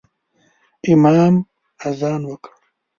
امام اذان وکړ